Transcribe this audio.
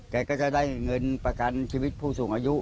ก็จะได้เงินประกันชีวิตผู้สูงอายุ